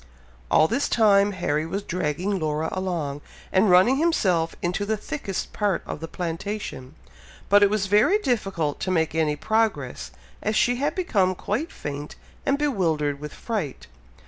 All this time, Harry was dragging Laura along, and running himself into the thickest part of the plantation; but it was very difficult to make any progress, as she had become quite faint and bewildered with fright.